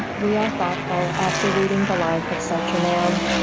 we are thoughtful after reading the life of such a man.